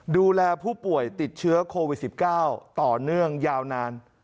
ดูแลผู้ป่วยติดเชื้อโควิด๑๙ต่อเนื่องยาวนาน